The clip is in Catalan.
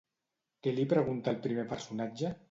Què li pregunta el primer personatge?